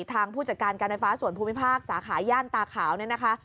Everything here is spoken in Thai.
ผู้จัดการการไฟฟ้าส่วนภูมิภาคสาขาย่านตาขาวเนี่ยนะคะ